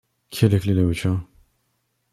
Qui a les clés de la voiture ?